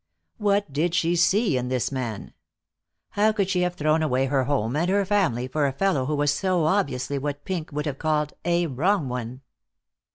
What did she see in the man? How could she have thrown away her home and her family for a fellow who was so obviously what Pink would have called "a wrong one"?